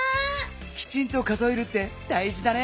きちんと数えるってだいじだね。